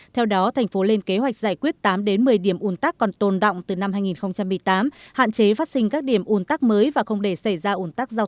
theo đó thành phố lên kế hoạch giải quyết tám một mươi điểm un tắc còn tồn động từ năm hai nghìn một mươi tám hạn chế phát sinh các điểm un tắc mới và không để sử dụng